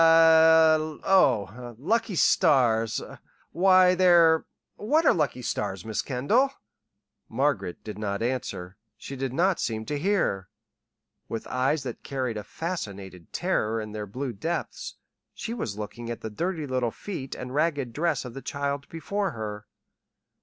"Eh? Oh, lucky stars why, they're what are lucky stars, Miss Kendall?" Margaret did not answer. She did not seem to hear. With eyes that carried a fascinated terror in their blue depths, she was looking at the dirty little feet and the ragged dress of the child before her.